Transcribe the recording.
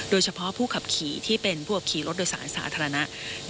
โดยเฉพาะผู้ขับขี่ที่เป็นผู้ขับขี่รถโดยสารสาธารณะ